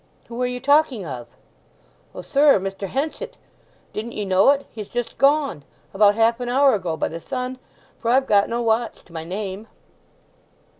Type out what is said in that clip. "Who are you talking of?" "O sir—Mr. Henchet! Didn't ye know it? He's just gone—about half an hour ago, by the sun; for I've got no watch to my name."